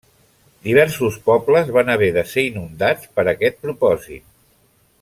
Diversos pobles van haver de ser inundats per a aquest propòsit.